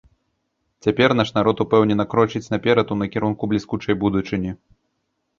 Цяпер наш народ упэўнена крочыць наперад у накірунку бліскучай будучыні.